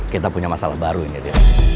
kita punya masalah baru ini